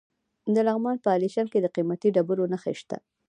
د لغمان په علیشنګ کې د قیمتي ډبرو نښې دي.